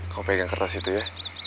kalau pegang kertas itu ya